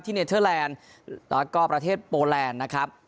เนเทอร์แลนด์แล้วก็ประเทศโปแลนด์นะครับ